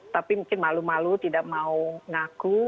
tapi mungkin malu malu tidak mau ngaku